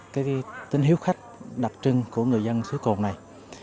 cái tính hiếu khách đặc trưng của người dân xứ cồn này